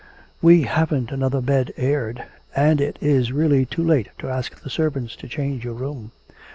'We haven't another bed aired, and it is really too late to ask the servants to change your room.'